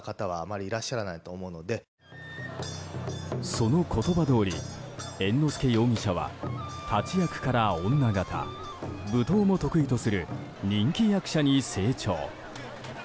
その言葉どおり猿之助容疑者は、立役から女形舞踏も得意とする人気役者に成長。